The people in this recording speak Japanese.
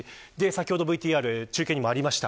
先ほど、中継にもありました